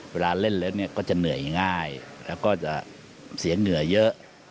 เวลาเล่นแล้วก็จะเหนื่อยง่ายแล้วก็จะเสียเหนื่อยเยอะ